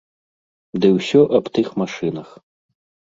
Ды ўсё аб тых машынах.